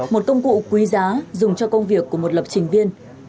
một công cụ quý giá dùng cho công việc của một lập trình viên